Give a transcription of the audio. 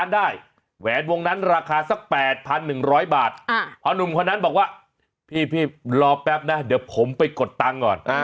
เดี๋ยวผมไปกดตังค์ก่อน